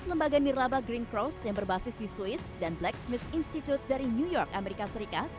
pada dua ribu tiga belas lembaga nirlaba green cross yang berbasis di swiss dan blacksmith institute dari new york amerika serikat